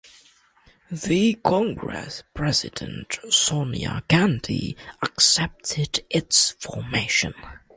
The Congress President Sonia Gandhi accepted its formation.